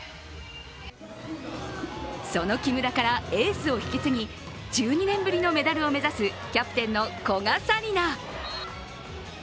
その木村からエースを引き継ぎ、１２年ぶりのメダルを目指すキャプテンの古賀紗理那。